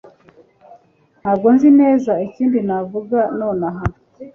ntabwo nzi neza ikindi navuga nonaha